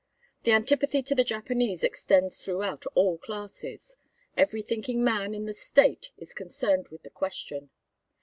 The antipathy to the Japanese extends throughout all classes. Every thinking man in the State is concerned with the question.